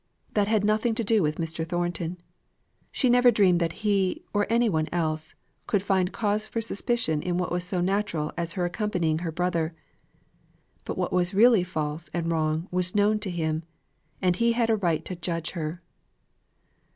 That had nothing to do with Mr. Thornton; she never dreamed that he, or any one else, could find cause for suspicion in what was so natural as her accompanying her brother; but what was really false and wrong was known to him, and he had a right to judge her.